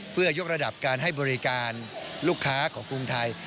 เพื่อยกระดับการให้บริการลูกค้าของกรุงไทย